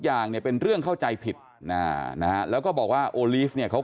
อย่างเนี่ยเป็นเรื่องเข้าใจผิดอ่านะฮะแล้วก็บอกว่าโอลีฟเนี่ยเขา